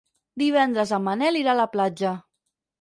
Divendres en Manel irà a la platja.